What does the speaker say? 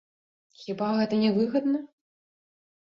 Хіба гэта не выгадна?